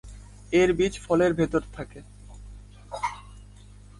এর বীজ ফলের ভেতরে থাকে।